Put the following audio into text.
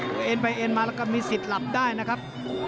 เอ็นไปเอ็นมาแล้วก็มีสิทธิ์หลับได้นะครับ